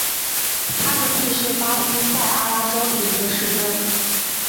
帕科蒂是巴西塞阿拉州的一个市镇。